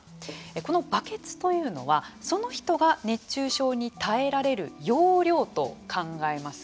このバケツというのはその人が熱中症に耐えられる容量と考えます。